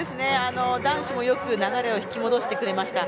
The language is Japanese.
男子もよく流れを引き戻してくれました。